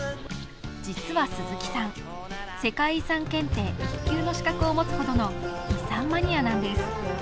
実は鈴木さん、世界遺産検定１級の資格を持つほどの遺産マニアなんです。